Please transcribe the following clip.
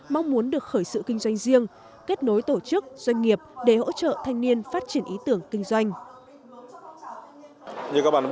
mong muốn được khởi sự kinh doanh riêng kết nối tổ chức doanh nghiệp để hỗ trợ thanh niên phát triển ý tưởng kinh doanh